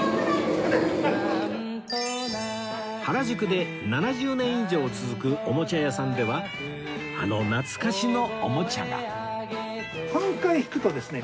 原宿で７０年以上続くおもちゃ屋さんではあの懐かしのおもちゃが